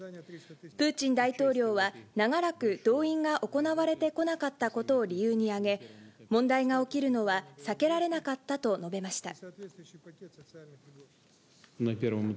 プーチン大統領は、長らく、動員が行われてこなかったことを理由に挙げ、問題が起きるのは避けられなかったと述べました。